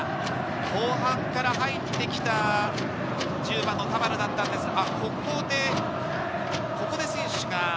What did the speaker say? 後半から入ってきた１０番の田原だったんですが、ここで選手が。